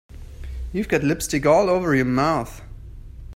You've got lipstick all over your mouth.